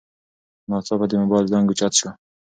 ناڅاپه د موبایل زنګ اوچت شو.